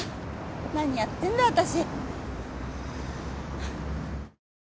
何やってんだ私？